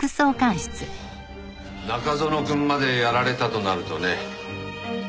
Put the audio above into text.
中園くんまでやられたとなるとね。